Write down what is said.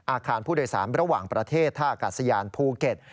อาคารผู้โดยสารระหว่างประเทศท่าอากาศยานภูเก็ต